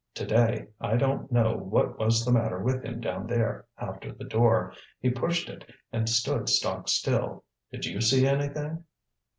To day I don't know what was the matter with him down there after the door. He pushed it, and stood stock still. Did you see anything?"